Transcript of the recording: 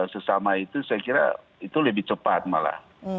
sesama itu saya kira itu lebih cepat malah